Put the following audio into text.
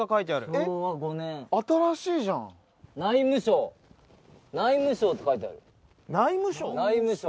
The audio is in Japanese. えっ新しいじゃん「内務省」「内務省」って書いてある内務省？